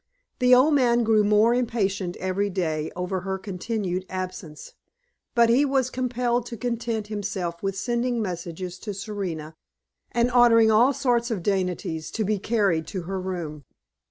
The old man grew more impatient every day over her continued absence, but he was compelled to content himself with sending messages to Serena, and ordering all sorts of dainties to be carried to her room.